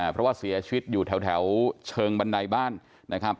เพราะว่าเสียชีวิตอยู่แถวเชิงบันไดบ้านนะครับ